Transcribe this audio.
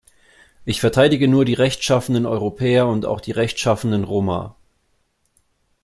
Ich verteidige nur die rechtschaffenen Europäer und auch die rechtschaffenen Roma.